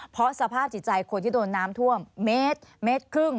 เพราะสภาพจิตใจคนที่โดนน้ำท่วมเมตรครึ่ง